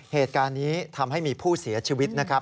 เหตุการณ์นี้ทำให้มีผู้เสียชีวิตนะครับ